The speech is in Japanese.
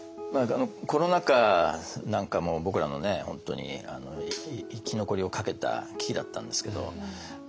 コロナ禍なんかも僕らの本当に生き残りをかけた危機だったんですけど。